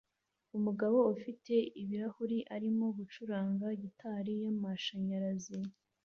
Umugabo ufite ibirahuri arimo gucuranga gitari y'amashanyarazi